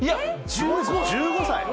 １５歳！